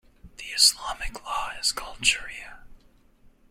The Islamic law is called shariah.